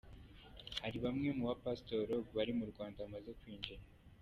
Hari bamwe mu ba pasiteri bo mu Rwanda bamaze kwinjira :.